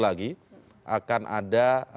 lagi akan ada